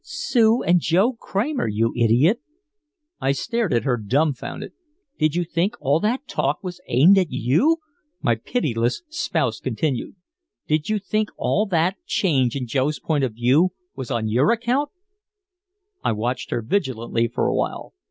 "Sue and Joe Kramer, you idiot." I stared at her dumfounded. "Did you think all that talk was aimed at you?" my pitiless spouse continued. "Did you think all that change in Joe's point of view was on your account?" I watched her vigilantly for a while.